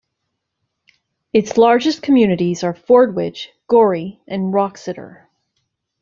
Its largest communities are Fordwich, Gorrie and Wroxeter.